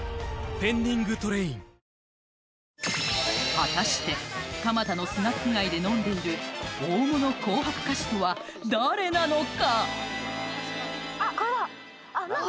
果たして蒲田のスナック街で飲んでいる大物紅白歌手とは誰なのか？